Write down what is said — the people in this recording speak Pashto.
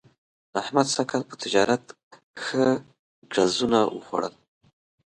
احمد سږ کال په تجارت ښه ګړزونه وخوړل.